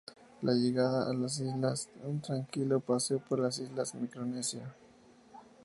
La llegada a las Islas: Un tranquilo paseo por las islas de Micronesia.